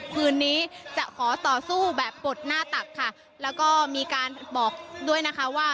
คืนนี้จะขอต่อสู้แบบปลดหน้าตักค่ะแล้วก็มีการบอกด้วยนะคะว่า